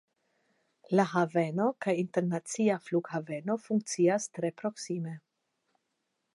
La haveno kaj internacia flughaveno funkcias tre proksime.